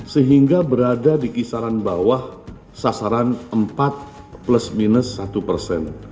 sehingga berada di kisaran bawah sasaran empat plus minus satu persen